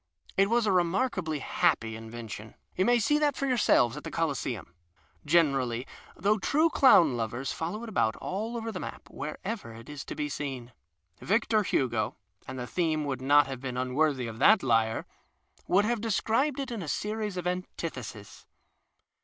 It was a remarkably happy invention. You may sec that for yourselves at the Coliseum, generally, though true clown lovers follow it about all over the map wherever it is to be seen. Victor Hugo (and the theme would not have been im worthy of that lyre) would have described it in a scries of antitheses.